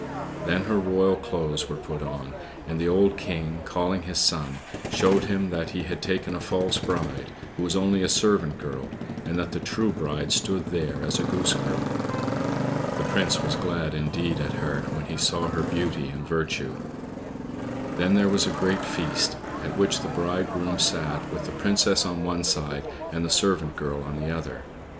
Then her royal clothes were put on, and the old King, calling his son, showed him that he had taken a false bride, who was only a servant girl, and that the true bride stood there as a Goose Girl. The prince was glad indeed at heart when he saw her beauty and virtue. Then there was a great feast, at which the bridegroom sat, with the Princess on one side and the servant girl on the other.